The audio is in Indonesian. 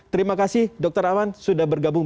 terima kasih dokter aman sudah bergabung